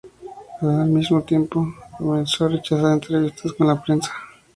Al mismo tiempo comenzó a rechazar entrevistas con la prensa.